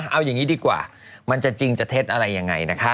เอาอย่างนี้ดีกว่ามันจะจริงจะเท็จอะไรยังไงนะคะ